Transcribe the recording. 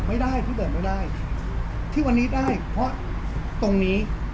ไม่ได้พี่เบิร์ดไม่ได้ที่วันนี้ได้เพราะตรงนี้